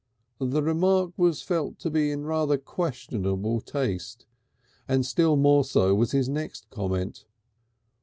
The remark was felt to be in rather questionable taste, and still more so was his next comment.